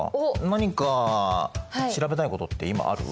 何か調べたいことって今ある？